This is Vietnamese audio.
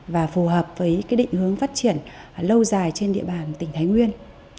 và phù hợp với cái định hướng phát triển lâu dài trên địa bàn tỉnh thái nguyên